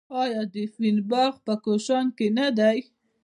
آیا د فین باغ په کاشان کې نه دی؟